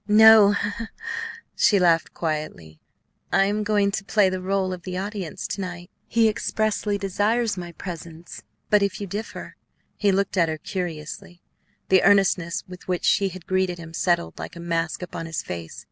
"No," she laughed quietly; "I am going to play the role of the audience to night. He expressly desires my presence; but if you differ " He looked at her curiously. The earnestness with which she had greeted him settled like a mask upon his face.